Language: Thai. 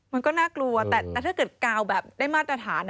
มันก็น่ากลัวแต่ถ้าเกิดกาวแบบได้มาตรฐาน